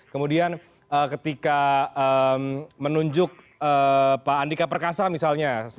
kemudian ketika menunjuk pak andika perkasa misalnya